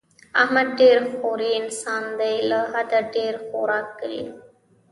احمد ډېر خوری انسان دی، له حده ډېر خوراک کوي.